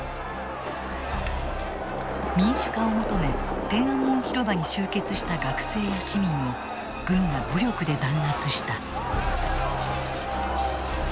民主化を求め天安門広場に集結した学生や市民を軍が武力で弾圧した。